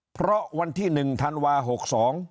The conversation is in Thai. เพราะวันที่๑ธันวาค์๖๒